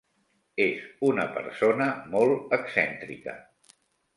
És una persona molt excèntrica.